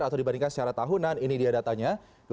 atau dibandingkan secara tahunan ini dia datanya